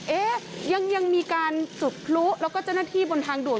เอ๊ะยังมีการจุดพลุแล้วก็เจ้าหน้าที่บนทางด่วน